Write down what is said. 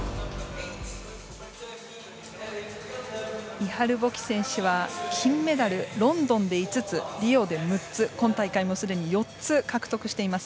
イハル・ボキ選手は金メダルをロンドンで５つ、リオで６つ今大会もすでに４つ獲得しています。